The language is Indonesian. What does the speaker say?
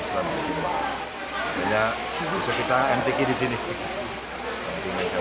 di jawa tengah di jawa tengah di jawa tengah di jawa tengah di jawa tengah